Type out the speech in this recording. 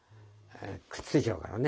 くっついちゃうからね。